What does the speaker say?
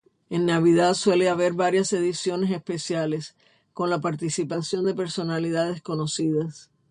En Navidad suele haber varias ediciones especiales, con la participación de personalidades conocidas.